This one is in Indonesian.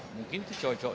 mungkin itu cocok